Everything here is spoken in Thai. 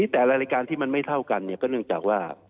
แต่รายการที่มันไม่เท่ากันก็เนื่องจากว่า